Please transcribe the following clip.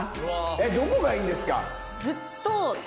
どこがいいんですか？